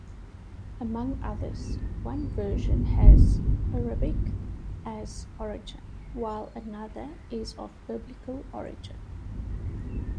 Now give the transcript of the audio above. Among others, one version has Arabic as origin, while another is of Biblical origin.